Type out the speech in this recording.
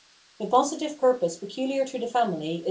The positive purpose pecuHar to the family is th.